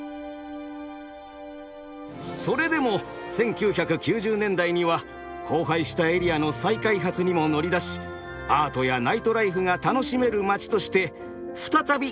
それでも１９９０年代には荒廃したエリアの再開発にも乗り出しアートやナイトライフが楽しめる街として再び活気を取り戻しました。